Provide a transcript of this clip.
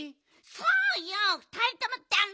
そうよふたりともだめよ！